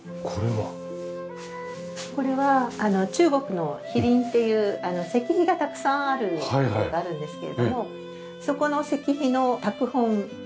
これは中国の碑林っていう石碑がたくさんある所があるんですけれどもそこの石碑の拓本です。